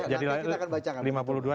nanti kita akan bacakan